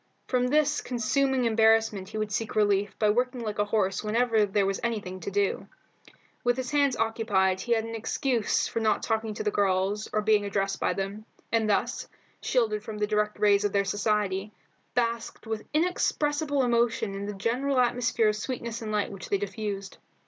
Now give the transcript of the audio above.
From this consuming embarrassment he would seek relief by working like a horse whenever there was anything to do. With his hands occupied he had an excuse for not talking to the girls or being addressed by them, and, thus shielded from the, direct rays of their society, basked with inexpressible emotions in the general atmosphere of sweetness and light which they diffused.